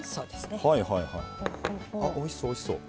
あおいしそうおいしそう。